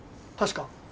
確か。